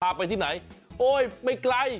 พาไปที่ไหนโอ้ยไปไกล